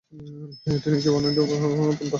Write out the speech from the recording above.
এটি নিচের বর্ণিত পন্থা।